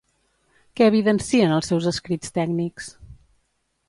Què evidencien els seus escrits tècnics?